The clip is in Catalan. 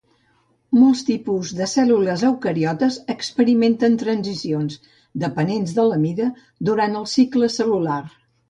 Molts tipus de cèl·lules eucariotes experimenten transicions dependents de la mida durant el cicle cel·lular.